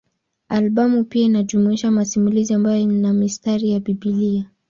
Albamu pia inajumuisha masimulizi ambayo yana mistari ya Biblia.